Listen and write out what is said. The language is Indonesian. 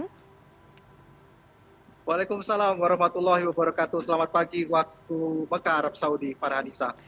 waalaikumsalam warahmatullahi wabarakatuh selamat pagi waktu mekah arab saudi farhanisa